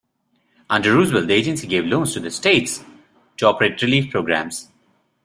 Under Roosevelt, the agency gave loans to the states to operate relief programs.